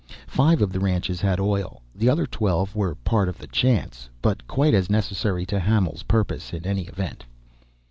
Five of the ranches had oil, the other twelve were part of the chance, but quite as necessary to Hamil's purpose, in any event.